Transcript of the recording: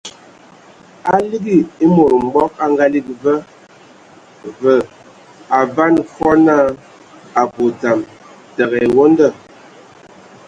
A ligi e mod mbɔg a ngaligi va, və a vaŋa fɔɔ naa a abɔ dzam, təgə ai ewonda.